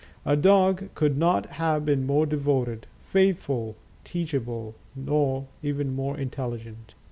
A dog could not have been more devoted, faithful, teachable, or even more intelligent.